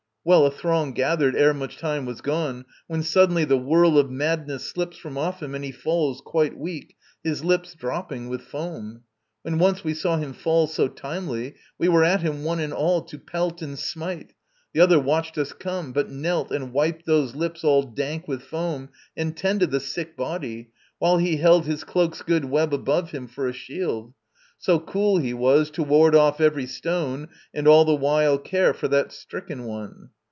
Well, a throng gathered ere much time was gone; When suddenly the whirl of madness slips From off him and he falls, quite weak, his lips Dropping with foam. When once we saw him fall So timely, we were at him one and all To pelt and smite. The other watched us come, But knelt and wiped those lips all dank with foam And tended the sick body, while he held His cloak's good web above him for a shield; So cool he was to ward off every stone And all the while care for that stricken one.